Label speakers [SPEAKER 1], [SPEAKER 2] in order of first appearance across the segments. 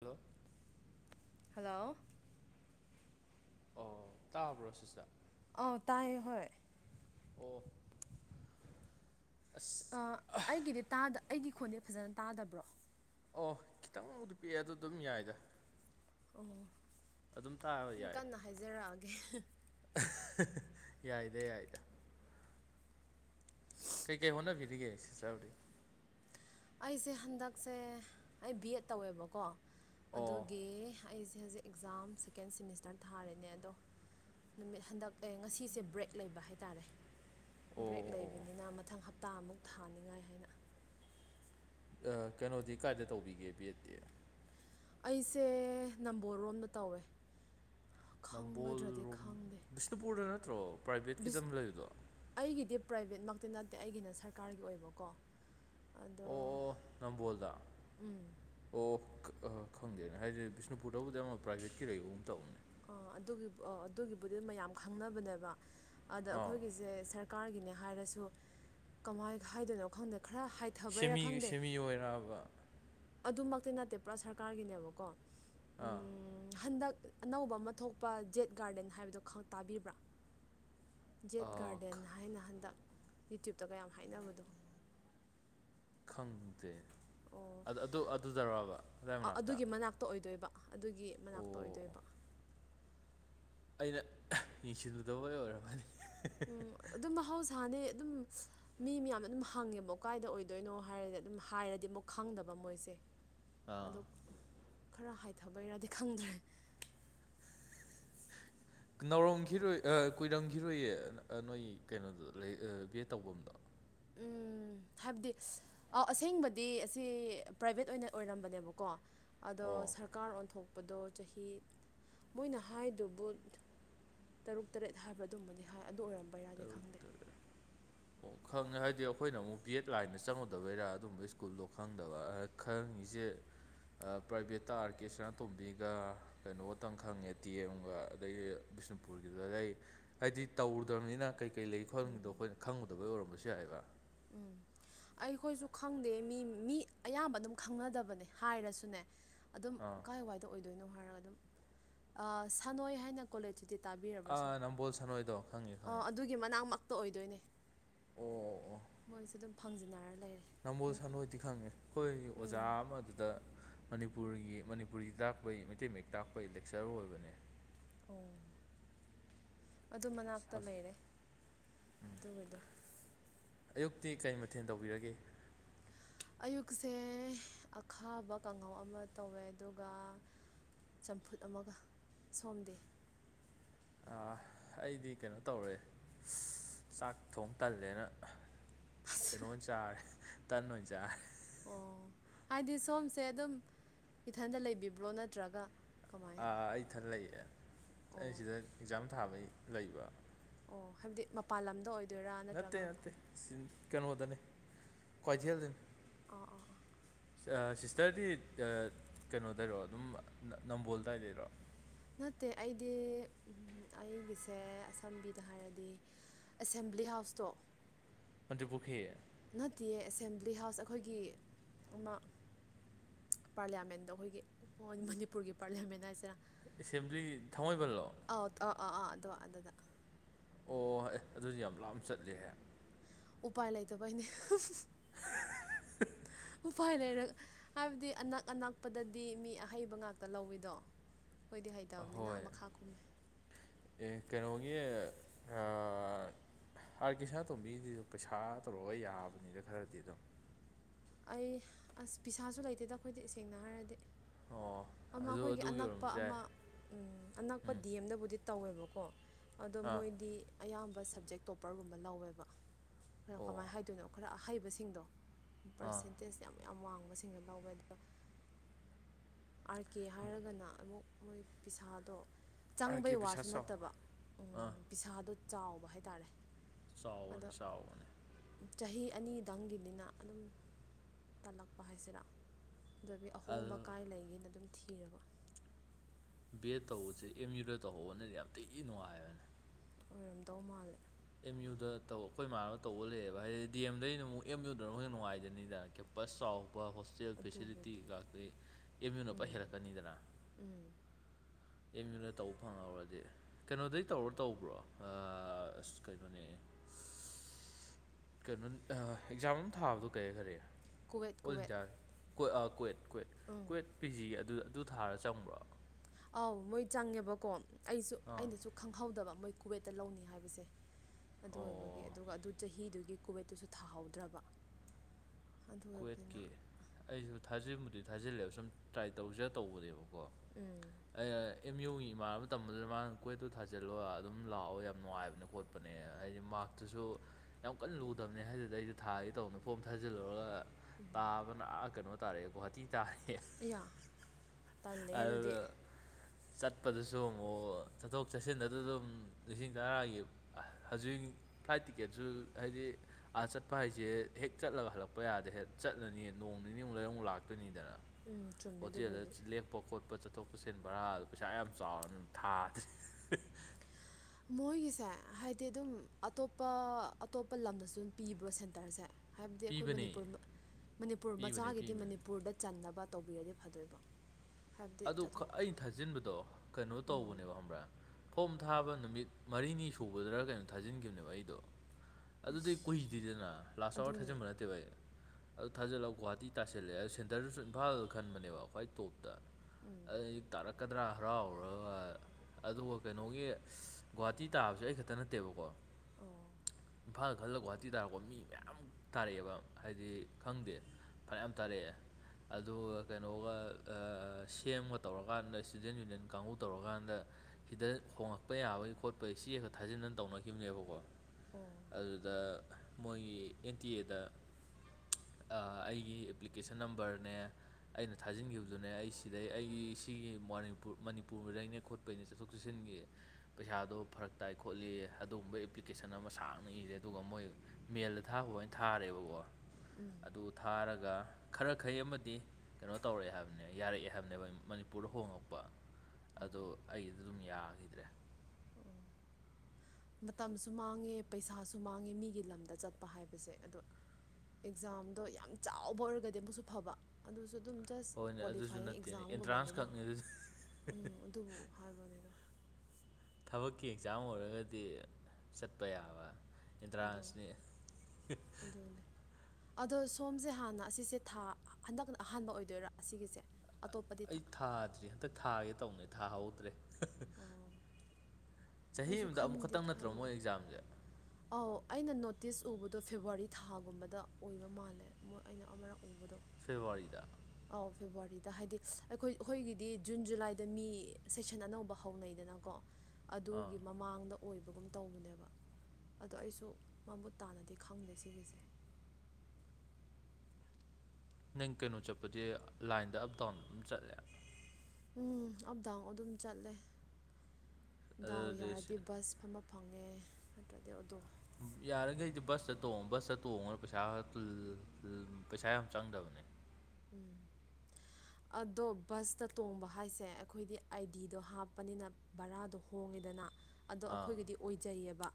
[SPEAKER 1] hello
[SPEAKER 2] hello
[SPEAKER 1] ꯑꯣ ꯇꯥꯕ꯭ꯔꯣ ꯁꯤꯇ
[SPEAKER 2] ꯑ ꯇꯥꯏꯌꯦ ꯍꯣꯏ
[SPEAKER 1] ꯑꯣꯐ
[SPEAKER 2] ꯑꯩꯒꯤꯗꯤꯗ ꯑꯩꯒꯤ ꯈꯣꯟꯗꯤ ꯐꯖꯅ ꯇꯥꯗꯕ꯭ꯔꯣ
[SPEAKER 1] ꯑꯣ ꯈꯤꯇꯪꯃꯗꯤ ꯄꯤꯛꯑꯦ ꯑꯗꯨ ꯑꯗꯨꯝ ꯌꯥꯏꯗ
[SPEAKER 2] ꯀꯃ
[SPEAKER 1] ꯑꯗꯨꯝ ꯇꯥꯕ ꯌꯥꯏ ꯌꯥꯏꯗ ꯌꯥꯏꯗ ꯀꯩ ꯀꯩ ꯍꯣꯠꯅꯕꯤꯔꯤꯒꯦ ꯆꯔꯗꯤ
[SPEAKER 2] ꯑꯩꯁꯦ ꯍꯟꯗꯛꯁꯦ ꯑꯩ ꯕꯤ ꯑꯦꯗ ꯇꯧꯋꯦꯕꯀꯣ
[SPEAKER 1] ꯑꯣ
[SPEAKER 2] ꯑꯗꯨꯒꯤ ꯑꯩꯁꯦ ꯍꯧꯖꯤꯛ ꯑꯦꯛꯖꯥꯝ ꯁꯦꯀꯦꯟ ꯁꯦꯃꯤꯁꯇꯔ ꯊꯥꯔꯦꯅꯦ ꯑꯗꯣ ꯅꯨꯃꯤꯠ ꯍꯟꯗꯛ ꯑꯦ ꯉꯁꯤꯁꯦ ꯕ꯭ꯔꯦꯛ ꯂꯩꯕ ꯍꯥꯏꯇꯥꯔꯦ
[SPEAKER 1] ꯑꯣ
[SPEAKER 2] ꯕ꯭ꯔꯦꯛ
[SPEAKER 1] ꯑꯣ
[SPEAKER 2] ꯂꯩꯕꯅꯤꯅ ꯃꯊꯪ ꯍꯞꯇꯥ ꯑꯃꯨꯛ ꯊꯥꯅꯤꯡꯉꯥꯏ ꯍꯥꯏꯅ
[SPEAKER 1] ꯀꯩꯅꯣꯗꯤ ꯀꯥꯏꯗ ꯇꯧꯕꯤꯒꯦ ꯄꯦꯠꯇꯦ
[SPEAKER 2] ꯑꯩꯁꯦ ꯅꯝꯕꯣꯜ ꯔꯣꯝꯗ ꯇꯧꯋꯦ
[SPEAKER 1] ꯅꯝꯕꯣꯜ
[SPEAKER 2] ꯈꯪꯒꯗ꯭ꯔꯗꯤ
[SPEAKER 1] ꯔꯣꯝ
[SPEAKER 2] ꯈꯪꯗꯦ
[SPEAKER 1] ꯕꯤꯁꯅꯨꯄꯨꯔꯗ ꯅꯠꯇ꯭ꯔꯣ ꯄ꯭ꯔꯥꯏꯕꯦꯠꯀꯤꯗ ꯂꯩꯕꯗꯣ
[SPEAKER 2] ꯑꯩꯒꯤꯗꯤ ꯄ꯭ꯔꯥꯏꯚꯦꯠꯃꯛꯇꯤ ꯅꯠꯇꯦ ꯑꯩꯒꯤꯅ ꯁꯔꯀꯥꯔꯒꯤ ꯑꯣꯏꯕꯀꯣ ꯑꯗꯣ
[SPEAKER 1] ꯑꯣ ꯑꯣ ꯅꯝꯕꯣꯜꯗ
[SPEAKER 2] ꯎꯝ
[SPEAKER 1] ꯑꯣ ꯑꯣ ꯑ ꯈꯪꯗꯦꯅꯦ ꯍꯥꯏꯗꯤ ꯕꯤꯁꯅꯨꯄꯨꯔꯗꯕꯨꯗꯤ ꯑꯃ ꯄ꯭ꯔꯥꯏꯚꯦꯠꯀꯤ ꯂꯩꯕ ꯇꯧꯅꯦ
[SPEAKER 2] ꯑꯗꯨꯒꯤ ꯑꯗꯨꯒꯤꯕꯨꯗꯤ ꯃꯌꯥꯝ ꯈꯪꯅꯕꯅꯦꯕ ꯑꯗ
[SPEAKER 1] ꯑꯥ
[SPEAKER 2] ꯑꯩꯈꯣꯏꯒꯤꯁꯦ ꯁꯔꯀꯥꯔꯒꯤꯅꯦ ꯍꯥꯏꯔꯁꯨ ꯀꯃꯥꯏ ꯍꯥꯏꯗꯣꯏꯅꯣ ꯈꯪꯗꯦ ꯈꯔ ꯍꯥꯏꯊꯕꯩꯔꯥ
[SPEAKER 1] ꯁꯦꯃꯤ
[SPEAKER 2] ꯈꯪꯗꯦ
[SPEAKER 1] ꯁꯦꯃꯤ ꯑꯣꯏꯔꯛꯑꯕ
[SPEAKER 2] ꯑꯗꯨꯃꯛꯇꯤ ꯅꯠꯇꯦ ꯄꯨꯔꯥ ꯁꯔꯀꯥꯔꯒꯤꯅꯦꯕꯀꯣ ꯎ ꯍꯟꯗꯛ ꯑꯅꯧꯕ ꯑꯃ ꯊꯣꯛꯄ ꯖꯦꯠ ꯒꯥꯔꯗꯦꯟ ꯍꯥꯏꯕꯗꯣ ꯈ ꯇꯥꯕꯤꯕ꯭ꯔꯥ ꯖꯦꯠ
[SPEAKER 1] ꯑꯥ
[SPEAKER 2] ꯒꯥꯔꯗꯦꯟ ꯍꯥꯏꯅ ꯍꯟꯗꯛ ꯌꯨꯇ꯭ꯨꯕꯇ ꯀꯌꯥꯝ ꯍꯥꯏꯅꯕꯗꯣ
[SPEAKER 1] ꯈꯪꯗꯦ ꯑꯗ- ꯑꯗꯨ ꯑꯗꯨꯗꯔꯕ ꯑꯗꯥꯏ
[SPEAKER 2] ꯑꯣ ꯑꯗꯨꯒꯤ ꯃꯅꯥꯛꯇ ꯑꯣꯏꯗꯣꯏꯕ ꯑꯗꯨꯒꯤ ꯃꯅꯥꯛꯇ
[SPEAKER 1] ꯑꯣ
[SPEAKER 2] ꯑꯣꯏꯗꯣꯏꯕ
[SPEAKER 1] ꯑꯩꯅ ꯌꯦꯡꯁꯤꯟꯂꯨꯗꯕꯩ ꯑꯣꯏꯔꯝꯃꯅꯤ
[SPEAKER 2] ꯎꯝ ꯑꯗꯨꯝ ꯃꯍꯧꯁꯥꯅꯦ ꯑꯗꯨꯝ ꯃꯤ ꯃꯌꯥꯝꯅ ꯑꯗꯨꯝ ꯍꯪꯉꯦꯕ ꯀꯥꯏꯗ ꯑꯣꯏꯗꯣꯏꯅꯣ ꯍꯥꯏꯔꯗꯤ ꯑꯗꯨꯝ ꯍꯥꯏꯔꯗꯤ ꯑꯃꯨꯛ ꯈꯪꯗꯕ ꯃꯣꯏꯁꯦ
[SPEAKER 1] ꯑꯥ
[SPEAKER 2] ꯑꯗꯨ ꯈꯔ ꯍꯥꯏꯊꯕꯩꯔꯗꯤ ꯈꯪꯗ꯭ꯔꯦ
[SPEAKER 1] ꯅꯥꯎꯔꯝꯈꯤꯔꯣꯏ ꯀꯨꯏꯔꯝꯈꯤꯔꯣꯏꯌꯦ ꯅꯣꯏ ꯀꯩꯅꯣꯗꯣ ꯂꯩ ꯕꯦꯠ ꯇꯧꯐꯝꯗꯣ
[SPEAKER 2] ꯎꯝ
[SPEAKER 1] [unintelligible]
[SPEAKER 2] ꯍꯥꯏꯕꯗꯤ ꯑꯁꯦꯡꯕꯗꯤ ꯑꯁꯤ ꯄ꯭ꯔꯥꯏꯚꯦꯠ ꯑꯣꯏꯅ ꯑꯣꯏꯔꯝꯕꯅꯦꯕꯀꯣ ꯑꯗꯣ
[SPEAKER 1] ꯑꯣ
[SPEAKER 2] ꯁꯔꯀꯥꯔ ꯑꯣꯟꯊꯣꯛꯄꯗꯣ ꯆꯍꯤ ꯃꯣꯏꯅ ꯍꯥꯏꯗꯨꯕꯨ ꯇꯔꯨꯛ ꯇꯔꯦꯠ ꯍꯥꯏꯕ ꯑꯗꯨꯝꯕꯅꯤ ꯍꯥꯏ ꯑꯗꯨ ꯑꯣꯏꯔꯝꯕ
[SPEAKER 1] ꯇꯔꯨꯛ ꯇꯔꯔꯦ ꯑꯣꯀꯦ [inaudible] ꯈꯪꯉꯦ ꯍꯥꯏꯗꯤ ꯑꯩꯈꯣꯏꯅ ꯑꯃꯨꯛ ꯕꯦꯠ ꯂꯥꯏꯟꯗ ꯆꯪꯉꯨꯗꯕꯩꯔꯥ ꯑꯗꯨꯝꯕ ꯁ꯭ꯀꯨꯜꯗꯣ ꯈꯪꯗꯕ ꯈꯪꯉꯤꯁꯦ ꯄ꯭ꯔꯥꯏꯚꯦꯠꯇ ꯑꯥꯔ ꯀꯦ ꯁꯅꯥꯇꯣꯝꯕꯤꯒ ꯀꯩꯅꯣꯇꯪ ꯈꯪꯉꯦ ꯇꯤ ꯑꯦꯝꯒ ꯑꯗꯩ ꯕꯤꯁꯅꯨꯄꯨꯔꯒꯤꯗꯨ ꯍꯥꯏꯗꯤ ꯇꯧ ꯇꯧꯔꯨꯗ꯭ꯔꯕꯅꯤꯅ ꯀꯩꯀꯩ ꯂꯩꯒ ꯈꯣꯠꯂꯝꯒꯤꯗꯣ
[SPEAKER 2] ꯎꯝ
[SPEAKER 1] ꯑꯩꯈꯣꯏꯅ ꯈꯪꯉꯨꯗꯕꯩ ꯑꯣꯏꯔꯝꯕꯁꯨ ꯌꯥꯏꯑꯦꯕ
[SPEAKER 2] ꯎꯝ ꯑꯩꯈꯣꯏꯁꯨ ꯈꯪꯗꯦ ꯃꯤ ꯃꯤ ꯑꯌꯥꯝꯕ ꯑꯗꯨꯝ ꯈꯪꯅꯗꯕꯅꯦ ꯍꯥꯏꯔꯁꯨꯅꯦ ꯑꯗꯨꯝ
[SPEAKER 1] ꯑꯥ
[SPEAKER 2] ꯀꯥꯏ ꯋꯥꯏꯗ ꯑꯣꯏꯗꯣꯏꯅꯣ ꯍꯥꯏꯔꯒ ꯑꯗꯨꯝ ꯁꯥꯟꯅꯣꯏ ꯍꯥꯏꯅ ꯀꯣꯂꯦꯖꯇꯗꯤ ꯇꯥꯕꯤꯔꯕ꯭ꯔꯁꯨ
[SPEAKER 1] ꯑꯥ ꯅꯝꯕꯣꯜ ꯁꯥꯟꯅꯣꯏꯗꯣ ꯈꯪꯉꯦ
[SPEAKER 2] ꯑꯥ
[SPEAKER 1] ꯈꯪꯉꯦ
[SPEAKER 2] ꯑꯗꯨꯒꯤ ꯃꯅꯥꯛꯃꯛꯇ ꯑꯣꯏꯗꯣꯏꯅꯦ
[SPEAKER 1] ꯑꯣ ꯑꯣ ꯑꯣ
[SPEAKER 2] ꯃꯣꯏꯁꯦ ꯑꯗꯨꯝ ꯐꯪꯖꯤꯟꯅꯔ ꯂꯩꯔꯦ
[SPEAKER 1] ꯅꯝꯕꯣꯜ
[SPEAKER 2] ꯎꯝ
[SPEAKER 1] ꯁꯥꯟꯅꯣꯏꯗꯤ ꯈꯪꯉꯦ ꯑꯩꯈꯣꯏ ꯑꯣꯖꯥ
[SPEAKER 2] ꯎꯝ
[SPEAKER 1] ꯑꯃꯗꯨꯗ ꯃꯅꯤꯄꯨꯔꯒꯤ ꯃꯅꯤꯄꯨꯔꯤ ꯇꯥꯛꯄꯩ ꯃꯩꯇꯩ ꯃꯌꯦꯛ ꯇꯥꯛꯄꯒꯤ ꯂꯦꯛꯆꯔ ꯑꯣꯏꯕꯅꯦ
[SPEAKER 2] ꯑꯣ ꯑꯗꯨ ꯃꯅꯥꯛꯇ
[SPEAKER 1] ꯍꯧꯖꯤꯛ-
[SPEAKER 2] ꯂꯩꯔꯦ
[SPEAKER 1] ꯎꯝ
[SPEAKER 2] ꯑꯗꯨꯒꯤꯗꯣ
[SPEAKER 1] ꯑꯌꯨꯛꯇꯤ ꯀꯩ ꯃꯊꯦꯜ ꯇꯧꯕꯤꯔꯒꯦ
[SPEAKER 2] ꯑꯌꯨꯛꯁꯦ ꯑꯈꯥꯕ ꯀꯥꯡꯍꯧ ꯑꯃ ꯇꯧꯋꯦ ꯑꯗꯨꯒ ꯆꯝꯐꯨꯠ ꯑꯃꯒ ꯁꯣꯝꯗꯤ
[SPEAKER 1] ꯑꯩꯗꯤ ꯀꯩꯅꯣ ꯇꯧꯔꯦ ꯆꯥꯛ ꯊꯣꯡ ꯇꯜꯂꯦꯅ
[SPEAKER 2] ꯑꯁ
[SPEAKER 1] ꯀꯩꯅꯣ ꯆꯥꯔꯦ ꯇꯟ ꯑꯣꯏꯅ ꯆꯥꯔꯦ
[SPEAKER 2] ꯑꯣ ꯍꯥꯏꯗꯤ ꯁꯣꯝꯁꯦ ꯑꯗꯨꯝ ꯏꯊꯟꯇ ꯂꯩꯕꯤꯕ꯭ꯔꯣ ꯅꯠꯇ꯭ꯔꯒ ꯀꯃꯥꯏꯅ
[SPEAKER 1] ꯑ ꯏꯊꯥꯟ ꯂꯩꯌꯦ ꯑꯩ ꯁꯤꯗ ꯑꯦꯛꯖꯥꯝ ꯊꯥꯕꯩ ꯂꯩꯕ
[SPEAKER 2] ꯑꯣ ꯍꯥꯏꯕꯗꯤ ꯃꯄꯥꯟ ꯂꯝꯗ ꯑꯣꯏ
[SPEAKER 1] ꯅꯠꯇꯦ ꯅꯠꯇꯦ ꯁꯤ ꯀꯩꯅꯣꯗꯅꯤ ꯀ꯭ꯋꯥꯏꯊꯦꯜꯗꯅꯤ
[SPEAKER 2] ꯑꯣ ꯑꯣ
[SPEAKER 1] ꯁꯤꯁꯇꯔꯗꯤ ꯀꯩꯅꯣꯗꯔꯣ ꯑꯗꯨꯝ ꯅꯝꯕꯣꯜꯗꯥꯏꯔꯣ
[SPEAKER 2] ꯅꯠꯇꯦ ꯑꯩꯗꯤ ꯑꯩꯒꯤꯁꯦ ꯑꯁꯝꯕꯤꯗ ꯍꯥꯏꯔꯗꯤ ꯑꯦꯁꯦꯝꯕ꯭ꯂꯤ ꯍꯥꯎꯁꯇꯣ
[SPEAKER 1] ꯃꯥꯟꯇ꯭ꯔꯤ ꯄꯨꯈ꯭ꯔꯤ
[SPEAKER 2] ꯅꯠꯇꯦꯌꯦ ꯑꯦꯁꯦꯝꯕ꯭ꯂꯤ ꯍꯥꯎꯁ ꯑꯩꯈꯣꯏꯒꯤ ꯑꯃ ꯄꯥꯔꯂꯤꯌꯥꯃꯦꯟꯗꯣ ꯑꯩꯈꯣꯏꯒꯤ ꯃꯅꯤꯄꯨꯔꯒꯤ ꯄꯥꯔꯂꯤꯌꯥꯃꯦꯟ ꯍꯥꯏꯁꯤꯅ
[SPEAKER 1] ꯑꯦꯁꯦꯝꯕ꯭ꯂꯤ ꯊꯥꯡꯃꯩꯕꯜꯂꯣ
[SPEAKER 2] ꯑꯥꯎ ꯑꯥ ꯑꯥ ꯑꯥ ꯑꯗꯨ ꯑꯗꯨꯗ
[SPEAKER 1] ꯑꯣ ꯑꯗꯨꯁꯨ ꯌꯥꯝ ꯂꯥꯞꯅ ꯆꯠꯂꯦꯍꯦ
[SPEAKER 2] ꯎꯄꯥꯏ ꯂꯩꯇꯕꯩꯅꯦ ꯎꯄꯥꯏ ꯂꯩꯔꯒ ꯍꯥꯏꯕꯗꯤ ꯑꯅꯛ ꯑꯅꯛꯄꯗꯗꯤ ꯃꯤ ꯑꯍꯩꯕ ꯉꯥꯛꯇ ꯂꯧꯋꯤꯗꯣ ꯍꯣꯏꯗꯤ ꯍꯩꯇꯕꯅꯤ ꯅ
[SPEAKER 1] ꯑꯍꯣꯏ
[SPEAKER 2] ꯃꯈꯥ ꯀꯨꯝꯃꯦ
[SPEAKER 1] ꯀꯩꯅꯣꯒꯤ ꯑ ꯑꯥꯔ ꯀꯦ ꯁꯅꯥꯇꯣꯝꯕꯤꯁꯤꯁꯨ ꯄꯩꯁꯥ ꯇꯧꯔꯒ ꯌꯥꯕꯅꯤꯅ ꯈꯔꯗꯤ ꯑꯗꯨꯝ
[SPEAKER 2] ꯑꯩ ꯑꯁ ꯄꯤꯁꯥꯁꯨ ꯂꯩꯇꯦꯗ ꯑꯩꯈꯣꯏꯗꯤ ꯁꯦꯡꯅ ꯍꯥꯏꯔꯗꯤ
[SPEAKER 1] ꯑꯣ
[SPEAKER 2] ꯑꯃ
[SPEAKER 1] ꯑꯗꯨ
[SPEAKER 2] ꯑꯩꯈꯣꯏꯒꯤ
[SPEAKER 1] ꯑꯗꯨꯒꯤ
[SPEAKER 2] ꯑꯅꯛꯄ
[SPEAKER 1] ꯑꯣꯏꯔꯝꯕꯁꯨ ꯌꯥꯏ
[SPEAKER 2] ꯑꯃ ꯎꯝ ꯑꯅꯛꯄ
[SPEAKER 1] ꯎꯝ
[SPEAKER 2] ꯗꯤ ꯑꯦꯝꯗꯕꯨꯗꯤ ꯇꯧꯋꯦꯕꯀꯣ ꯑꯗꯣ
[SPEAKER 1] ꯑꯥ
[SPEAKER 2] ꯃꯣꯏꯗꯤ ꯑꯌꯥꯝꯕ ꯁꯞꯖꯦꯛ ꯇꯣꯄꯔꯒꯨꯝꯕ ꯂꯧꯋꯦꯕ ꯈꯔ
[SPEAKER 1] ꯑꯣ
[SPEAKER 2] ꯀꯃꯥꯏꯅ ꯍꯥꯏꯗꯣꯏꯅꯣ ꯈꯔ ꯑꯍꯩꯕꯁꯤꯡꯗꯣ
[SPEAKER 1] ꯑꯥ
[SPEAKER 2] ꯄꯔꯁꯦꯟꯇꯦꯖ ꯌꯥꯝ ꯌꯥꯝ ꯋꯥꯡꯕꯁꯤꯡꯗ ꯂꯧꯋꯦ ꯑꯗ ꯑꯥꯔ ꯀꯦ ꯍꯥꯏꯔꯒꯅ ꯑꯃꯨꯛ ꯃꯣꯏ ꯄꯤꯁꯥꯗꯣ
[SPEAKER 1] ꯑꯥꯔ
[SPEAKER 2] ꯆꯪꯕꯩ
[SPEAKER 1] ꯀꯦ ꯄꯩꯁꯥ
[SPEAKER 2] ꯋꯥꯁꯨ
[SPEAKER 1] ꯆꯥꯎꯕ
[SPEAKER 2] ꯅꯠꯇꯕ
[SPEAKER 1] ꯑꯥ
[SPEAKER 2] ꯄꯤꯁꯥꯗꯣ ꯆꯥꯎꯕ ꯍꯥꯏꯇꯥꯔꯦ ꯑꯗꯣ
[SPEAKER 1] ꯆꯥꯎꯕꯅꯤ ꯆꯥꯎꯕꯅꯤ
[SPEAKER 2] ꯆꯍꯤ ꯑꯅꯤꯗꯪꯒꯤꯅꯤꯅ ꯑꯗꯨꯝ ꯇꯜꯂꯛꯄ ꯍꯥꯏꯁꯤꯔꯥ ꯑꯗꯨꯗꯒꯤ
[SPEAKER 1] ꯑꯗꯣ
[SPEAKER 2] ꯑꯍꯣꯡꯕ ꯀꯥꯏ ꯂꯩꯒꯦꯅ ꯑꯗꯨꯝ ꯊꯤꯔꯕ
[SPEAKER 1] ꯕꯤ ꯑꯦꯗ ꯇꯧꯕꯁꯦ ꯑꯦꯝ ꯌꯨꯗ ꯇꯧꯍꯧꯕꯅꯗꯤ ꯌꯥꯝ ꯊꯤꯅ ꯅꯨꯡꯉꯥꯏꯕꯅꯤ
[SPEAKER 2] ꯑꯣꯏꯔꯝꯗꯧ ꯃꯥꯜꯂꯦ
[SPEAKER 1] ꯑꯦꯝ ꯌꯨꯗ ꯇꯧ ꯑꯩꯈꯣꯏ ꯃꯥꯟꯅꯕ ꯇꯧꯕ ꯂꯩꯌꯦꯕ ꯍꯥꯏꯗꯤ ꯗꯤ ꯑꯦꯝꯗꯩꯅ ꯑꯃꯨꯛ ꯑꯦꯝ ꯌꯨꯗꯅ ꯑꯃꯛ ꯍꯛ ꯅꯨꯡꯉꯥꯏꯖꯗꯅꯤ ꯇꯥꯔꯦ ꯕꯁ ꯆꯥꯎꯕ ꯍꯣꯁꯇꯦꯜ ꯐꯦꯁꯤꯂꯤꯇꯤ
[SPEAKER 2] ꯑꯗꯨꯕꯨꯗꯤ
[SPEAKER 1] ꯉꯥꯛꯇꯤ ꯑꯦꯝ ꯌꯨ ꯅꯄ
[SPEAKER 2] ꯎꯝ
[SPEAKER 1] ꯍꯦꯜꯂꯛꯀꯅꯤꯗꯅ
[SPEAKER 2] ꯎꯝ
[SPEAKER 1] ꯑꯦꯝ ꯌꯨꯗ ꯇꯧꯕ ꯐꯪꯍꯧꯔꯗꯤ ꯀꯩꯅꯣꯗꯩ ꯇꯧꯔꯣ ꯇꯧꯕ꯭ꯔꯣ ꯑꯁ ꯀꯩꯅꯣꯅꯦ ꯀꯩꯅꯣ ꯑꯦꯛꯖꯥꯝ ꯑꯃ ꯊꯥꯕꯗꯣ ꯀꯔꯤ ꯈꯔ
[SPEAKER 2] ꯀꯨꯋꯦꯠ ꯀꯨꯋꯦꯠ
[SPEAKER 1] ꯑꯣꯟꯖꯔ ꯀ ꯀ꯭ꯋꯦꯠ ꯀ꯭ꯋꯦꯠ
[SPEAKER 2] ꯎꯝ
[SPEAKER 1] ꯀ꯭ꯋꯦꯠ ꯄꯦꯖꯤ ꯑꯗꯨ ꯑꯗꯨ ꯊꯥꯔ ꯆꯪꯕ꯭ꯔꯣ
[SPEAKER 2] ꯑꯥꯎ ꯃꯣꯏ ꯆꯪꯉꯦꯕꯀꯣ ꯑꯩꯁꯨ
[SPEAKER 1] ꯑꯥ
[SPEAKER 2] ꯑꯩꯅꯁꯨ ꯈꯪꯍꯧꯗꯕ ꯃꯣꯏ ꯀꯨꯋꯦꯠꯇ ꯂꯧꯅꯤ ꯍꯥꯏꯕꯁꯦ ꯑꯗꯨ
[SPEAKER 1] ꯑꯣ
[SPEAKER 2] ꯑꯣꯏꯕꯒꯤ ꯑꯗꯨꯒ ꯑꯗꯨ ꯆꯍꯤꯗꯨꯒꯤ ꯀꯨꯕꯦꯠꯇꯨꯁꯨ ꯊꯥꯍꯧꯗ꯭ꯔꯕ ꯑꯗꯨ ꯑꯣꯏꯕꯅꯤꯅ
[SPEAKER 1] ꯀꯋꯦꯠꯀꯤ ꯑꯩꯁꯨ ꯊꯥꯖꯤꯟꯕꯨꯗꯤ ꯊꯥꯖꯤꯜꯂꯦꯕ ꯁꯨꯝ ꯇ꯭ꯔꯥꯏ ꯇꯧꯁꯤꯔ ꯇꯧꯕꯅꯦꯕ ꯀꯣ
[SPEAKER 2] ꯎꯝ
[SPEAKER 1] ꯑꯩ ꯑꯦꯝ ꯌꯨꯒꯤ ꯏꯃꯥꯟꯅꯕ ꯃꯇꯝꯗꯨꯗ ꯃꯥꯅ ꯀꯣꯏꯠꯇꯨ ꯊꯥꯖꯤꯜꯂꯣ ꯑꯗꯨꯝ ꯂꯥꯛꯑꯣ ꯌꯥꯝ ꯅꯨꯡꯉꯥꯏꯕꯅꯦ ꯈꯣꯠꯄ ꯆꯄꯅꯦ ꯍꯥꯏꯗꯤ ꯃꯥꯛꯇꯨꯁꯨ ꯌꯥꯝ ꯀꯟꯅ ꯂꯨꯗꯕꯅꯦ ꯍꯥꯏꯗꯨꯗꯤ ꯑꯩꯗ ꯊꯥꯒꯦ ꯇꯧꯅ ꯐꯣꯝ ꯊꯥꯖꯤꯜꯂꯨꯔꯒ
[SPEAKER 2] ꯎꯝ
[SPEAKER 1] ꯇꯥꯕꯅ ꯀꯩꯅꯣ ꯇꯥꯔꯦ ꯒꯨꯍꯥꯇꯤ ꯇꯥꯔꯦ
[SPEAKER 2] ꯏꯌꯥ ꯇꯜꯂꯦꯍꯦ
[SPEAKER 1] ꯑꯗꯨ
[SPEAKER 2] ꯑꯗꯨꯗꯤ
[SPEAKER 1] ꯆꯠꯄꯗꯨꯁꯨ ꯑꯃꯨꯛ ꯆꯠꯊꯣꯛ ꯆꯠꯁꯤꯟꯗꯗ ꯑꯗꯨꯝ ꯂꯤꯁꯤꯡ ꯇꯔꯥꯒꯤ ꯍꯧꯖꯤꯛ ꯐ꯭ꯂꯥꯏꯠ ꯇꯤꯛꯀꯦꯠꯁꯨ ꯍꯥꯏꯗꯤ ꯑ ꯆꯠꯄ ꯍꯥꯏꯁꯦ ꯍꯦꯛ ꯆꯠꯂꯒ ꯍꯜꯂꯛꯄ ꯌꯥꯗꯦ ꯑꯗ ꯍꯦꯛ ꯆꯠꯂꯅꯤ ꯅꯣꯡ ꯅꯤ ꯑꯃꯨꯛ ꯂꯣꯏꯔ ꯑꯃꯨꯛ ꯂꯥꯛꯇꯣꯏꯅꯤꯗꯅ
[SPEAKER 2] ꯎꯝ ꯆꯨꯝꯃꯦ
[SPEAKER 1] ꯍꯣꯇꯦꯜꯗ
[SPEAKER 2] ꯑꯗꯨꯕꯨꯗꯤ
[SPEAKER 1] ꯂꯦꯞ ꯈꯣꯠꯄ ꯈꯣꯠꯄ ꯆꯠꯊꯣꯛ ꯆꯠꯁꯤꯟ ꯕꯔꯥ ꯄꯩꯁꯥ ꯌꯥꯝ ꯆꯥꯎꯔ ꯑꯗꯨꯝ ꯊꯥꯗꯦ
[SPEAKER 2] ꯃꯣꯏꯒꯤꯁꯦ ꯍꯥꯏꯗꯤ ꯑꯗꯨꯝ ꯑꯇꯣꯞꯄ ꯑꯇꯣꯞꯄ ꯂꯝꯗꯁꯨ ꯑꯗꯨꯝ ꯄꯤꯕ꯭ꯔꯣ ꯁꯦꯟꯇꯔꯁꯦ ꯍꯥꯏꯕꯗꯤ ꯑꯩꯈꯣꯏ
[SPEAKER 1] ꯄꯤꯕꯅꯦ
[SPEAKER 2] ꯃꯅꯤꯄꯨꯔ ꯃꯅꯤꯄꯨꯔ
[SPEAKER 1] ꯄꯤꯕꯅꯦ
[SPEAKER 2] ꯃꯆꯥꯒꯤꯗꯤ
[SPEAKER 1] ꯄꯤꯕꯅꯦ
[SPEAKER 2] ꯃꯅꯤꯄꯨꯔꯗ ꯆꯟꯅꯕ ꯇꯧꯕꯤꯔꯗꯤ ꯐꯗꯣꯏꯕ ꯍꯥꯏꯕꯗꯤ
[SPEAKER 1] ꯑꯗꯨ
[SPEAKER 2] ꯆꯠꯊꯣꯛ
[SPEAKER 1] ꯑꯩꯅ ꯊꯥꯖꯤꯟꯕꯗꯣ ꯀꯩꯅꯣ
[SPEAKER 2] ꯎꯝ
[SPEAKER 1] ꯇꯧꯕꯅꯦꯕ ꯈꯪꯕ꯭ꯔꯥ ꯐꯣꯝ ꯊꯥꯕ ꯅꯨꯃꯤꯠ ꯃꯔꯤꯅꯤ ꯁꯨꯕꯗ꯭ꯔ ꯀꯩꯅꯣ ꯊꯥꯖꯤꯟꯈꯤꯕꯅꯦꯕ ꯑꯩꯗꯣ ꯑꯗꯨꯗꯤ
[SPEAKER 2] ꯑꯁ
[SPEAKER 1] ꯀꯨꯏꯗꯗꯅ ꯂꯥꯁ ꯑꯋꯥꯔ
[SPEAKER 2] ꯑꯗꯨꯅꯦ
[SPEAKER 1] ꯊꯥꯖꯤꯟꯕ ꯅꯠꯇꯦꯕ ꯑꯩ ꯑꯗꯨ ꯊꯥꯖꯤꯜꯂꯒ ꯒꯨꯍꯥꯇꯤ ꯇꯁꯤꯜꯂꯑꯦ ꯑ ꯁꯦꯟꯇꯔꯗꯨꯁꯨ ꯏꯝꯐꯥꯜꯗ ꯈꯟꯕꯅꯦꯕ ꯈ꯭ꯋꯥꯏ ꯇꯣꯞꯇ
[SPEAKER 2] ꯎꯝ
[SPEAKER 1] ꯑꯩ ꯇꯥꯔꯛꯀꯗ꯭ꯔꯥ ꯍꯔꯥꯎꯔꯨꯔꯒ ꯑꯗꯨꯒ ꯀꯩꯅꯣꯒꯤ ꯒꯨꯍꯥꯇꯤ ꯇꯥꯕꯁꯨ ꯑꯩ ꯈꯛꯇ ꯅꯠꯇꯦꯕꯀꯣ
[SPEAKER 2] ꯑꯣ
[SPEAKER 1] ꯏꯝꯐꯥꯜ ꯈꯜꯂꯒ ꯒꯨꯍꯥꯇꯤ ꯇꯥꯔꯛꯄ ꯃꯤ ꯃꯌꯥꯝ ꯇꯥꯔꯛꯑꯦꯕ ꯍꯥꯏꯗꯤ ꯈꯪꯗꯦ ꯐꯅꯌꯥꯝ ꯇꯥꯔꯛꯑꯦ ꯑꯗꯨꯒ ꯀꯩꯅꯣꯒ ꯁꯦꯝꯒ ꯇꯧꯔꯀꯥꯟꯗ ꯏꯁꯇꯨꯗꯦꯟ ꯌꯨꯅꯤꯌꯟ ꯀꯥꯡꯕꯨ ꯇꯧꯔꯀꯥꯟꯗ ꯁꯤꯗ ꯍꯣꯉꯛꯄ ꯌꯥꯕꯒꯤ ꯈꯣꯠꯄꯒꯤ ꯆꯦ ꯑꯃꯗ ꯊꯥꯖꯤꯟꯗꯅ ꯇꯧꯅꯈꯤꯕꯅꯦꯕꯀꯣ
[SPEAKER 2] ꯑꯣ
[SPEAKER 1] ꯑꯗꯨꯗ ꯃꯣꯏꯒꯤ ꯑꯦꯟ ꯇꯤ ꯑꯦꯗ ꯑꯩꯒꯤ ꯑꯦꯄ꯭ꯂꯤꯀꯦꯁꯟ ꯅꯝꯕꯔꯅꯦ ꯑꯩꯅ ꯊꯥꯖꯤꯟꯈꯤꯕꯗꯨꯅꯦ ꯑꯩ ꯁꯤꯗꯩ ꯑꯩꯒꯤ ꯁꯤꯒꯤ ꯃꯨꯔ ꯃꯅꯤꯄꯨꯔꯗꯅꯦ ꯈꯣꯠꯄꯒꯤꯅꯦ ꯆꯠꯊꯣꯛ ꯆꯠꯁꯤꯟꯒꯤ ꯄꯩꯁꯥꯗꯣ ꯐꯔꯛ ꯇꯥꯏ ꯈꯣꯠꯂꯤ ꯑꯗꯨꯒꯨꯝꯕ ꯑꯦꯄ꯭ꯂꯤꯀꯦꯁꯟ ꯑꯃ ꯁꯥꯡꯅ ꯏꯔꯦ ꯑꯗꯨꯒ ꯃꯣꯏ ꯃꯦꯜꯗ ꯊꯥꯕ ꯑꯣꯏꯅ ꯊꯥꯔꯦꯕꯀꯣ
[SPEAKER 2] ꯎꯝ
[SPEAKER 1] ꯑꯗꯨ ꯊꯥꯔꯒ ꯈꯔꯈꯩ ꯑꯃꯗꯤ ꯀꯩꯅꯣ ꯇꯧꯔꯛꯑꯦ ꯍꯥꯏꯕꯅꯦ ꯌꯥꯔꯛꯑꯦ ꯍꯥꯏꯕꯅꯦꯕ ꯃꯅꯤꯄꯨꯔꯗ ꯍꯣꯡꯉꯛꯄ ꯑꯗꯣ ꯑꯩꯗ ꯑꯗꯨꯝ ꯌꯥꯈꯤꯗ꯭ꯔꯦ [inaudible]
[SPEAKER 2] ꯃꯇꯝꯁꯨ ꯃꯥꯡꯉꯦ ꯄꯩꯁꯥꯁꯨ ꯃꯥꯡꯉꯦ ꯃꯤꯒꯤ ꯂꯝꯗ ꯆꯠꯄ ꯍꯥꯏꯕꯁꯦ ꯑꯗꯣ ꯑꯦꯛꯖꯥꯝꯗꯣ ꯌꯥꯝ ꯆꯥꯎꯕ ꯑꯣꯏꯔꯒꯗꯤ ꯑꯃꯁꯨꯁꯨ ꯐꯕ ꯑꯗꯨꯁꯨ ꯑꯗꯨꯝ ꯖꯁ
[SPEAKER 1] ꯍꯣꯏꯅꯦ ꯑꯗꯨꯁꯨ
[SPEAKER 2] ꯀ꯭ꯋꯥꯂꯤꯐꯥꯏꯌꯤꯡ
[SPEAKER 1] ꯅꯠꯇꯦꯅꯦ ꯑꯦꯟꯇ꯭ꯔꯥꯟꯁ
[SPEAKER 2] ꯑꯦꯛꯖꯥꯝꯒꯨꯝꯕꯅꯤꯅ
[SPEAKER 1] ꯈꯛꯅꯦ ꯑꯗꯨ
[SPEAKER 2] ꯎꯝ ꯑꯗꯨꯕꯨ ꯍꯥꯏꯕꯅꯤꯗ
[SPEAKER 1] ꯊꯕꯛꯀꯤ ꯑꯦꯛꯖꯥꯝ ꯑꯣꯏꯔꯒꯗꯤ ꯆꯠꯄ ꯌꯥꯕ
[SPEAKER 2] ꯑꯗꯣ
[SPEAKER 1] ꯏꯟꯗ꯭ꯔꯥꯟꯁꯅꯤ
[SPEAKER 2] ꯑꯗꯨꯅꯦ ꯑꯗꯣ ꯁꯣꯝꯁꯦ ꯍꯥꯟꯅ ꯑꯁꯤꯁꯦ ꯊꯥ ꯍꯟꯗꯛ ꯑꯍꯥꯟꯕ ꯑꯣꯏꯗꯣꯏꯔꯥ ꯑꯁꯤꯒꯤꯁꯦ ꯑꯇꯣꯞꯄꯗꯤ
[SPEAKER 1] ꯑꯩ
[SPEAKER 2] ꯊꯥ
[SPEAKER 1] ꯊꯥꯗ꯭ꯔꯤ ꯍꯟꯗꯛ ꯊꯥꯒꯦ ꯇꯧꯅꯦ ꯍꯧꯗ꯭ꯔꯦ
[SPEAKER 2] ꯑꯣ
[SPEAKER 1] ꯆꯍꯤ
[SPEAKER 2] ꯑꯩꯁꯨ
[SPEAKER 1] ꯑꯃꯗ
[SPEAKER 2] ꯈꯟꯗꯤ
[SPEAKER 1] ꯑꯃꯨꯛꯈꯛꯇꯪ ꯅꯠꯇ꯭ꯔꯣ ꯃꯣꯏ
[SPEAKER 2] ꯈꯜꯂꯦ
[SPEAKER 1] ꯑꯦꯛꯖꯥꯝꯁꯦ
[SPEAKER 2] ꯑꯧ ꯑꯩꯅ ꯅꯣꯇꯤꯁ ꯎꯕꯗꯣ ꯐꯦꯕꯋꯥꯔꯤ ꯊꯥꯒꯨꯝꯕꯗ ꯑꯣꯏꯕ ꯃꯥꯜꯂꯦ ꯃꯣꯏ ꯑꯩꯅ ꯑꯃꯔꯛ ꯎꯕꯗꯣ
[SPEAKER 1] ꯐꯦꯕꯋꯥꯔꯤꯗ
[SPEAKER 2] ꯑꯧ ꯐꯦꯕꯋꯥꯔꯤꯗ ꯍꯥꯏꯗꯤ ꯑꯩꯈꯣꯏ ꯑꯩꯈꯣꯏꯒꯤꯗꯤ ꯖꯨꯟ ꯖꯨꯂꯥꯏꯗ ꯃꯤ ꯁꯦꯁꯟ ꯑꯅꯧꯕ ꯍꯧꯅꯩꯗꯅꯀꯣ
[SPEAKER 1] [unintelligible]
[SPEAKER 2] ꯑꯗꯨꯒꯤ ꯃꯃꯥꯡꯗ ꯑꯣꯏꯕꯒꯨꯝ ꯇꯧꯕꯅꯦꯕ ꯑꯗꯣ ꯑꯩꯁꯨ ꯃꯃꯨꯠ ꯇꯥꯅꯗꯤ ꯈꯪꯗꯦ ꯁꯤꯒꯤꯁꯦ
[SPEAKER 1] ꯅꯪ ꯀꯩꯅꯣ ꯆꯠꯄꯗꯤ ꯂꯥꯏꯟꯗ ꯑꯞ ꯗꯥꯎꯟ ꯑꯗꯨꯝ ꯆꯠꯂꯦ
[SPEAKER 2] ꯎꯝ ꯑꯞ ꯗꯥꯎꯟ ꯑꯗꯨꯝ ꯆꯠꯂꯦ ꯗꯥꯎ
[SPEAKER 1] ꯑꯗꯨꯗꯤ ꯁꯤ
[SPEAKER 2] ꯌꯥꯔꯗꯤ ꯕꯁ ꯐꯝꯃ ꯐꯪꯉꯦ ꯅꯠꯇ꯭ꯔꯗꯤ ꯑꯗꯣ
[SPEAKER 1] ꯌꯥꯔꯤꯈꯩꯗꯤ ꯕꯁꯇ ꯇꯣꯡꯉꯣ ꯕꯁꯇ ꯇꯣꯡꯉꯨꯔ ꯄꯩꯁꯥ ꯄꯩꯁꯥ ꯌꯥꯝ ꯆꯪꯗꯕꯅꯦ [inaudible]
[SPEAKER 2] ꯑꯗꯣ ꯕꯁꯇ ꯇꯣꯡꯕ ꯍꯥꯏꯁꯦ ꯑꯩꯈꯣꯏꯗꯤ ꯑꯥꯏ ꯗꯤꯗꯣ ꯍꯥꯞꯄꯅꯤꯅ ꯕꯔꯥꯗꯣ ꯍꯣꯡꯉꯦꯗꯅ ꯑꯗꯣ
[SPEAKER 1] ꯑꯥ
[SPEAKER 2] ꯑꯩꯈꯣꯏꯒꯤꯗꯤ ꯑꯣꯏꯖꯩꯌꯦꯕ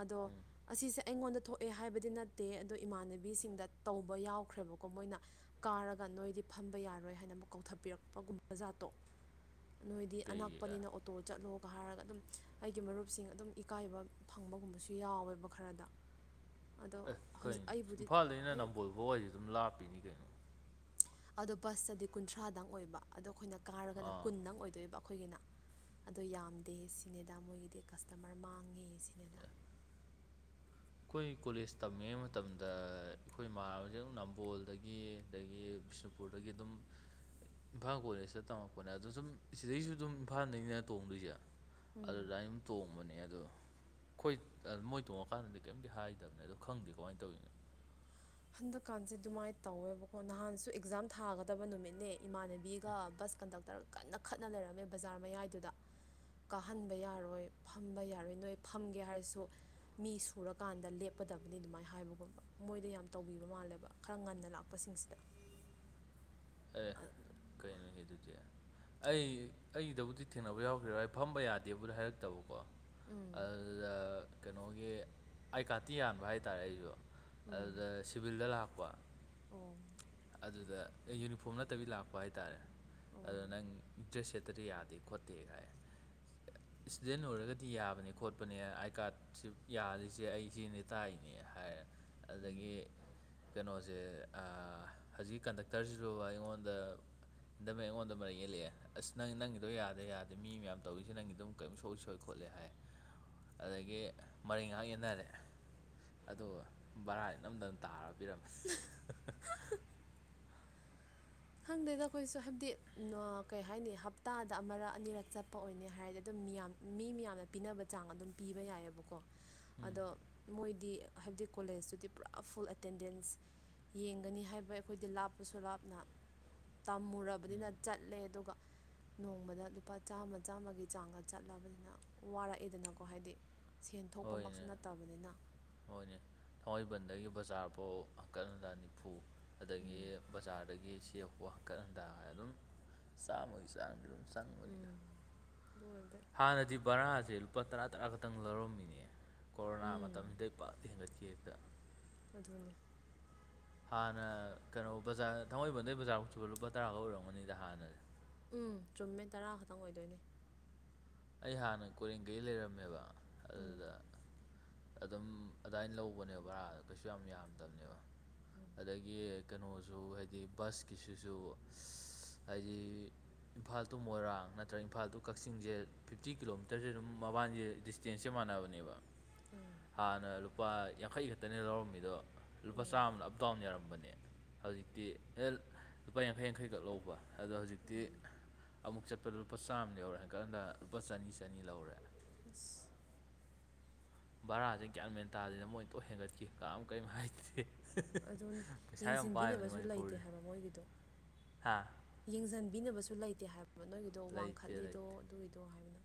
[SPEAKER 2] ꯑꯗꯣ
[SPEAKER 1] ꯎꯝ
[SPEAKER 2] ꯑꯁꯤꯁꯦ ꯑꯩꯉꯣꯟꯗ ꯊꯣꯛꯑꯦ ꯍꯥꯏꯕꯗꯤ ꯅꯠꯇꯦ ꯑꯗꯣ ꯏꯃꯥꯟꯅꯕꯤꯁꯤꯡꯗ ꯇꯧꯕ ꯌꯥꯎꯈ꯭ꯔꯦꯕꯀꯣ ꯃꯣꯏꯅ ꯀꯥꯔꯒ ꯅꯣꯏꯗꯤ ꯐꯝꯕ ꯌꯥꯔꯣꯏ ꯍꯥꯏꯅ ꯑꯃꯛ ꯀꯧꯊꯕꯤꯔꯛꯄꯒꯨꯝꯕ ꯖꯥꯠꯇꯣ ꯅꯣꯏꯗꯤ
[SPEAKER 1] ꯀꯩꯒꯤ ꯑꯦ
[SPEAKER 2] ꯑꯅꯛꯄꯅꯤꯅ ꯑꯣꯇꯣ ꯆꯠꯂꯣꯒ ꯍꯥꯏꯔꯒ ꯑꯗꯨꯝ ꯑꯩꯒꯤ ꯃꯔꯨꯞꯁꯤꯡ ꯑꯗꯨꯝ ꯏꯀꯥꯏꯕ ꯐꯪꯕꯒꯨꯝꯕꯁꯨ ꯌꯥꯎꯋꯦꯕ ꯈꯔꯗ ꯑꯗꯣ
[SPEAKER 1] ꯑꯦ
[SPEAKER 2] ꯍꯧꯖꯤꯛ
[SPEAKER 1] ꯀꯩꯅ
[SPEAKER 2] ꯑꯩꯕꯨꯗꯤ
[SPEAKER 1] ꯏꯝꯐꯥꯜꯗꯩꯅ
[SPEAKER 2] ꯑꯩ
[SPEAKER 1] ꯅꯝꯕꯣꯜ ꯐꯥꯎꯁꯤ ꯑꯗꯨꯝ ꯂꯥꯞꯄꯤꯅꯤ ꯀꯩꯅꯣ
[SPEAKER 2] ꯑꯗꯣ ꯕꯁꯇꯗꯤ ꯀꯨꯟꯊ꯭ꯔꯥꯗꯪ ꯑꯣꯏꯕ ꯑꯗꯣ ꯑꯩꯈꯣꯏꯅ ꯀꯥꯔꯒꯅ
[SPEAKER 1] ꯑꯥ
[SPEAKER 2] ꯀꯨꯟꯗꯪ ꯑꯣꯏꯗꯣꯏꯕ ꯑꯩꯈꯣꯏꯒꯤꯅ ꯑꯗꯣ ꯌꯥꯝꯗꯦ ꯁꯤꯅꯤꯗ ꯃꯣꯏꯒꯤꯗꯤ ꯀꯁꯇꯃꯔ ꯃꯥꯡꯉꯦ ꯁꯤꯅꯤꯗ
[SPEAKER 1] ꯑꯩꯈꯣꯏ ꯀꯣꯂꯦꯖ ꯇꯝꯂꯤꯉꯩ ꯃꯇꯝꯗ ꯑꯩꯈꯣꯏ ꯏꯃꯥꯟ ꯍꯧꯁꯛ ꯅꯝꯕꯣꯜꯗꯒꯤ ꯑꯗꯒꯤ ꯕꯤꯁꯅꯨ ꯁ꯭ꯄꯣꯔꯗꯒꯤ ꯑꯗꯨꯝ ꯏꯝꯐꯥꯜ ꯀꯣꯂꯦꯖꯇ ꯇꯝꯃꯛꯄꯅꯦ ꯑꯗꯣ ꯁꯨꯝ ꯁꯤꯗꯩꯁꯨ ꯑꯗꯨꯝ ꯏꯝꯐꯥꯜꯗꯒꯤꯅ ꯇꯣꯡꯗꯣꯏꯁꯦ ꯑꯗꯨꯗ ꯑꯝ ꯇꯣꯡꯕꯅꯦ ꯑꯗꯨꯗꯣ ꯃꯣꯏ ꯇꯣꯡꯉꯀꯥꯟꯗꯗꯤ ꯀꯩꯝꯇ ꯍꯥꯏꯗꯕ ꯑꯗꯣ ꯈꯪꯗꯦ ꯀꯃꯥꯏꯅ ꯇꯧꯤꯅꯤ
[SPEAKER 2] ꯍꯟꯗꯛꯀꯥꯟꯁꯦ ꯑꯗꯨꯃꯥꯏꯅ ꯇꯧꯋꯦꯕꯀꯣ ꯅꯍꯥꯟꯁꯨ ꯑꯦꯛꯖꯥꯝ ꯊꯥꯒꯗꯕ ꯅꯨꯃꯤꯠꯅꯦ ꯏꯃꯥꯟꯅꯕꯤꯒ ꯕꯁ ꯀꯟꯗꯛꯇꯔ ꯀꯟꯅ ꯈꯠꯅ ꯂꯩꯔꯝꯃꯦ ꯕꯖꯥꯔ ꯃꯌꯥꯏꯗꯨꯗ ꯀꯥꯍꯟꯕ ꯌꯥꯔꯣꯏ ꯐꯝꯕ ꯌꯥꯔꯣꯏ ꯅꯣꯏ ꯐꯝꯒꯦ ꯍꯥꯏꯔꯁꯨ ꯃꯤ ꯁꯨꯔꯀꯥꯟꯗ ꯂꯦꯞꯀꯗꯕꯅꯤ ꯑꯗꯨꯃꯥꯏꯅ ꯍꯥꯏꯕꯒꯨꯝꯕ ꯃꯣꯏꯗ ꯌꯥꯝ ꯇꯧꯕꯤꯕ ꯃꯥꯜꯂꯦꯕ ꯈꯔ ꯉꯟꯅ ꯂꯥꯛꯄꯁꯤꯡꯁꯤꯗ
[SPEAKER 1] ꯑꯦ ꯀꯩꯅꯣꯍꯦ ꯑꯗꯨꯗꯤ ꯑꯩ ꯑꯩꯗꯕꯨꯗꯤ ꯊꯦꯡꯅꯕ ꯌꯥꯎꯈ꯭ꯔꯦꯕꯚꯥꯏ ꯐꯝꯕ ꯌꯥꯗꯦꯕꯨꯗ ꯍꯥꯏꯔꯛꯇꯕ ꯀꯣ
[SPEAKER 2] ꯎꯝ
[SPEAKER 1] ꯑꯗꯨꯗ ꯀꯩꯅꯣꯒꯤ ꯑꯥꯏ ꯀꯥꯔꯇꯤ ꯌꯥꯟꯕ ꯍꯥꯏꯇꯥꯔꯦ ꯑꯩꯁꯨ ꯑꯗꯨ
[SPEAKER 2] ꯎꯝ
[SPEAKER 1] ꯁꯤꯚꯜꯗ ꯂꯥꯛꯄ
[SPEAKER 2] ꯑꯣ
[SPEAKER 1] ꯑꯗꯨꯗ ꯌꯨꯅꯤꯐꯣꯔꯝ ꯅꯠꯇꯕꯤ ꯂꯥꯛꯄ ꯍꯥꯏꯇꯥꯔꯦ
[SPEAKER 2] ꯑꯣ
[SPEAKER 1] ꯑꯗꯨ ꯅꯪ ꯗ꯭ꯔꯦꯁ ꯁꯦꯠꯇꯗꯤ ꯌꯥꯗꯦ ꯈꯣꯠꯇꯦ ꯀꯥꯏ ꯏꯁꯇꯨꯗꯦꯟ ꯑꯣꯏꯔꯒꯗꯤ ꯌꯥꯕꯅꯦ ꯈꯣꯠꯄꯅꯦ ꯑꯥꯏ ꯀꯥꯔꯠꯁꯤ ꯌꯥꯔꯤꯁꯦ ꯑꯩ ꯁꯤꯅꯤ ꯇꯥꯏꯅꯦ ꯍꯥꯏꯔꯦ
[SPEAKER 2] ꯎꯝ
[SPEAKER 1] ꯑꯗꯨꯗꯒꯤ ꯀꯩꯅꯣꯁꯦ ꯍꯧꯖꯤꯛ ꯀꯟꯗꯛꯇꯔꯁꯤꯁꯨꯕ ꯑꯩꯉꯣꯟꯗ ꯏꯟꯗꯝꯃꯦ ꯑꯩꯉꯣꯟꯗ ꯃꯔꯛ ꯌꯦꯦꯜꯂꯛꯑꯦ ꯑꯁ ꯅꯪ ꯅꯪꯒꯤꯗꯣ ꯌꯥꯗꯦ ꯌꯥꯗꯦ ꯃꯤ ꯃꯌꯥꯝ ꯇꯧꯔꯤꯁꯤꯦ ꯅꯪꯒꯤ ꯑꯗꯨꯝ ꯀꯔꯤꯝ ꯁꯣꯏ ꯁꯣꯏ ꯈꯣꯠꯂꯦ ꯍꯥꯏ ꯑꯗꯒꯤ ꯃꯔꯩ ꯉꯥꯏꯍꯥꯛ ꯌꯦꯠꯅꯔꯦ ꯑ ꯕꯔꯥꯗ ꯅꯝꯗꯅ ꯇꯥꯔ ꯄꯤꯔꯝꯃꯦ
[SPEAKER 2] ꯈꯪꯗꯦꯗ ꯑꯩꯈꯣꯏꯁꯨ ꯍꯥꯏꯕꯗꯤ ꯀꯩ ꯍꯥꯏꯅꯤ ꯍꯞꯇꯥꯗ ꯑꯃꯔꯛ ꯑꯅꯤꯔꯛ ꯆꯠꯄ ꯑꯣꯏꯅꯅꯦ ꯍꯥꯏꯔꯗꯤ ꯑꯗꯨꯝ ꯃꯤꯌꯥꯝ ꯃꯤ ꯃꯌꯥꯝꯅ ꯄꯤꯅꯕ ꯆꯥꯡ ꯑꯗꯨꯝ ꯄꯤꯕ ꯌꯥꯏꯑꯕꯀꯣ
[SPEAKER 1] ꯎꯝ
[SPEAKER 2] ꯑꯗꯣ ꯃꯣꯏꯗꯤ ꯍꯥꯏꯕꯗꯤ ꯀꯣꯂꯦꯖꯇꯨꯗꯤ ꯄꯨꯔꯥ ꯐꯨꯜ ꯑꯦꯇꯦꯟꯗꯦꯟꯁ ꯌꯦꯡꯒꯅꯤ ꯍꯥꯏꯕ ꯑꯩꯈꯣꯏꯗꯤ ꯂꯥꯞꯄꯁꯨ ꯂꯥꯞꯅ
[SPEAKER 1] ꯎꯝ
[SPEAKER 2] ꯇꯝꯃꯨꯔꯕꯅꯤꯅ ꯆꯠꯂꯦ ꯑꯗꯨꯒ ꯅꯣꯡꯃꯗ ꯂꯨꯄꯥ ꯆꯥꯝꯃ ꯆꯥꯝꯃꯒꯤ ꯆꯥꯡꯗ ꯆꯠꯂꯕꯅꯤꯅ ꯋꯥꯔꯛꯑꯦꯗꯅꯀꯣ ꯍꯥꯏꯗꯤ ꯁꯦꯟ ꯊꯣꯛꯄꯃꯛꯁꯨ ꯅꯠꯇꯕꯅꯤꯅ
[SPEAKER 1] ꯃꯣꯏꯅꯦ ꯊꯥꯡꯃꯩꯕꯟꯗꯒꯤ ꯕꯖꯥꯔꯐꯥꯎ ꯑꯀꯟꯗ ꯅꯤꯐꯨ ꯑꯗꯒꯤ
[SPEAKER 2] ꯎꯝ
[SPEAKER 1] ꯕꯖꯥꯔꯗꯒꯤ ꯆꯦꯛꯄ ꯀ ꯑꯗꯨꯝ ꯆꯥꯡꯃꯣꯏ ꯆꯥꯡ ꯑꯗꯨꯝ ꯆꯪ
[SPEAKER 2] ꯎꯝ ꯕꯔ
[SPEAKER 1] ꯍꯥꯟꯅꯗꯤ ꯕꯔꯥꯁꯦ ꯂꯨꯄꯥ ꯇꯔꯥ ꯇꯔꯥ ꯈꯛꯇꯪ ꯂꯧꯔꯝꯃꯤꯅꯦ ꯀꯣꯔꯣꯅꯥ
[SPEAKER 2] ꯎꯝ
[SPEAKER 1] ꯃꯇꯝꯁꯤꯗꯩ ꯄꯥꯛ ꯍꯦꯟꯒꯠꯀ ꯍꯦꯛꯇ
[SPEAKER 2] ꯑꯗꯨꯅꯦ
[SPEAKER 1] ꯍꯥꯟꯅ ꯀꯩꯅꯣ ꯕꯖꯥꯔ ꯊꯥꯡꯃꯩꯕꯟꯗꯩ ꯕꯖꯥꯔꯒꯥꯎ ꯁꯕ ꯂꯨꯄꯥ ꯇꯔꯥꯒ ꯑꯣꯏꯔꯝꯒꯅꯤꯗ ꯍꯥꯟꯅ
[SPEAKER 2] ꯎꯝ ꯆꯨꯝꯃꯤꯇꯔꯥ ꯈꯛꯇꯪ ꯑꯣꯏꯗꯣꯏꯅꯤ
[SPEAKER 1] ꯑꯩ ꯍꯥꯟꯅ ꯀꯣꯔꯦꯡꯒꯩ ꯂꯩꯔꯝꯃꯦꯕ
[SPEAKER 2] ꯎꯝ
[SPEAKER 1] ꯑꯗꯨꯗ ꯑꯗꯨꯝ ꯑꯗꯨꯗꯥꯏꯅ ꯂꯧꯕꯅꯦꯕ ꯕꯔꯥ ꯀꯩꯁꯨ ꯌꯥꯝ ꯌꯥꯝꯗꯕꯅꯦꯕ
[SPEAKER 2] ꯑꯣ
[SPEAKER 1] ꯑꯗꯒꯤ ꯀꯩꯅꯣꯁꯨ ꯍꯥꯏꯗꯤ ꯕꯁꯀꯤꯁꯤꯁꯨ ꯍꯥꯏꯗꯤ ꯏꯝꯐꯥꯜ ꯇꯨ ꯃꯣꯏꯔꯥꯡ ꯅꯠꯇ꯭ꯔꯒ ꯏꯝꯐꯥꯜ ꯇꯨ ꯀꯛꯆꯤꯡꯁꯦ ꯐꯤꯐꯇꯤ ꯀꯤꯂꯣꯃꯤꯇꯔꯁꯦ ꯑꯗꯨꯝ ꯃꯕꯥꯜꯁꯦ ꯗꯤꯁꯇꯦꯟꯁꯁꯦ ꯃꯥꯟꯅꯕꯅꯦꯕ
[SPEAKER 2] ꯎꯝ
[SPEAKER 1] ꯍꯥꯟꯅ ꯑꯗꯨꯝ ꯂꯨꯄꯥ ꯌꯥꯡꯈꯩ ꯈꯛꯇꯅꯦ ꯂꯧꯔꯝꯃꯤꯗꯣ ꯂꯨꯄꯥ
[SPEAKER 2] ꯎꯝ
[SPEAKER 1] ꯆꯥꯝꯃꯅ ꯑꯞ ꯗꯥꯎꯟ ꯌꯥꯔꯝꯕꯅꯦ ꯍꯧꯖꯤꯛꯇꯤ ꯂꯨꯄꯥ ꯌꯥꯡꯈꯩ ꯌꯥꯡꯈꯩꯈꯛ ꯂꯧꯕ ꯑꯗꯣ ꯍꯧꯖꯤꯛꯇꯤ ꯑꯃꯨꯛ ꯆꯠꯄꯗ ꯂꯨꯄꯥ ꯆꯝꯃ ꯌ ꯂꯧꯔꯦ ꯍꯥꯏꯀꯥꯟꯗ ꯂꯨꯄꯥ ꯆꯅꯤ ꯆꯅꯤ ꯂꯧ
[SPEAKER 2] ꯑꯁ
[SPEAKER 1] ꯕꯔꯥꯁꯦ ꯒ꯭ꯌꯥꯟ ꯃꯦꯟ ꯇꯥꯗꯁꯤꯅ ꯃꯣꯏꯅ ꯇꯣꯏ ꯍꯦꯟꯒꯠꯈꯤ ꯀꯥꯝ ꯀꯔꯤꯝ ꯍꯥꯏꯗꯦ
[SPEAKER 2] ꯑꯗꯨ
[SPEAKER 1] ꯄꯩꯁꯥ ꯌꯥꯝ ꯄꯥꯏꯕꯅꯦ
[SPEAKER 2] ꯌꯦꯡꯁꯤꯟꯕꯤꯅꯕꯁꯨ ꯂꯩꯇꯦ
[SPEAKER 1] ꯃꯅꯤꯄꯨꯔꯁꯦ
[SPEAKER 2] ꯍꯥꯏꯕ ꯃꯣꯏꯒꯤꯗꯣ
[SPEAKER 1] ꯍꯥ
[SPEAKER 2] ꯌꯦꯡꯁꯤꯟꯕꯤꯅꯕꯁꯨ ꯂꯩꯇꯦ ꯍꯥꯏꯕ ꯅꯣꯏꯒꯤꯗꯣ
[SPEAKER 1] ꯂꯩꯇꯦ
[SPEAKER 2] ꯋꯥꯡꯈꯠꯂꯤꯗꯣ
[SPEAKER 1] ꯂꯩꯇꯦ
[SPEAKER 2] ꯑꯗꯨꯒꯤꯗꯣ ꯍꯥꯏꯕꯅ